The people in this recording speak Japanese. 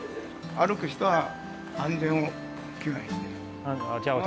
歩く人は安全を祈願した。